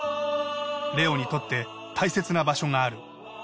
ＬＥＯにとって大切な場所がある。